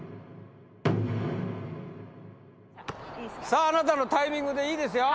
さああなたのタイミングでいいですよ。